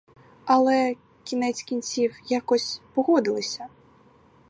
Але, кінець кінців, якось погодилися.